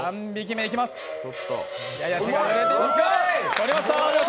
取りました！